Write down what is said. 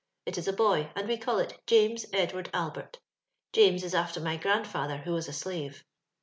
It is a boy, and we call it James Edward Albert. James is after my grandfather, who was a slave.